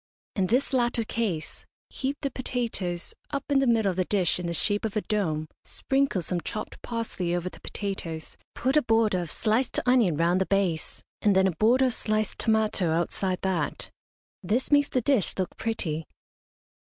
In this latter case, heap the potatoes up in the middle of the dish in the shape of a dome sprinkle some chopped parsley over the potatoes, put a border of sliced onion round the base, and then a border of sliced tomato outside that. This makes the dish look pretty.